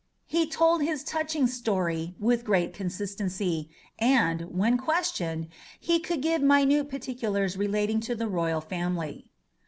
He told his touching story with great consistency, and, when questioned, he could give minute particulars relating to the royal family."